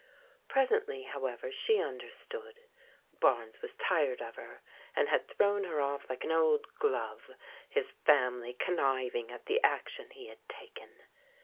Presently, however, she understood Barnes was tired of her, and had thrown her off like an old glove, his family conniving at the action he had taken.